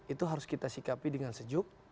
itu harus kita sikapi dengan sejuk